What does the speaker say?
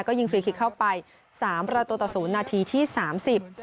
ก็ยิงฟรีคลิกเข้าไปสามประตูต่อศูนย์นาทีที่สามสิบ